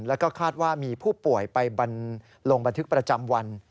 แล้วก็คาดว่ามีผู้ป่วยไปลงบันทึกประจำวัน